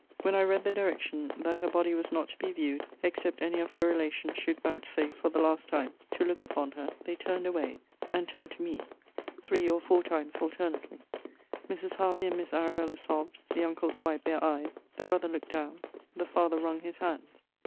When I read the direction, 'That her body was not to be viewed, except any of her relations should vouchsafe, for the last time, to look upon her;' they turned away, and turned to me, three or four times alternately. Mrs. Hervey and Miss Arabella sobbed; the uncles wiped their eyes; the brother looked down; the father wrung his hands.